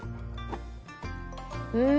うん！